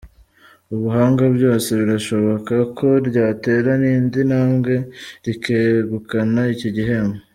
ubuhanga, byose birashoboka ko ryatera nindi ntambwe rikegukana iki gihembo.